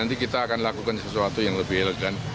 nanti kita akan lakukan sesuatu yang lebih elegan